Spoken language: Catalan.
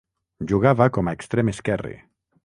Jugava com a extrem esquerre.